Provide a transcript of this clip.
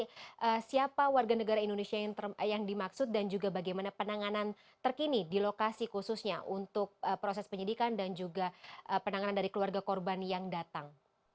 jadi siapa warga negara indonesia yang dimaksud dan juga bagaimana penanganan terkini di lokasi khususnya untuk proses penyidikan dan juga penanganan dari keluarga korban yang datang